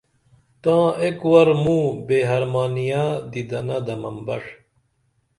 تاں ایک ور موں بے حرمانیہ دِدنہ دمن بݜ